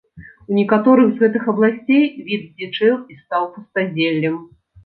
У некаторых з гэтых абласцей, від здзічэў і стаў пустазеллем.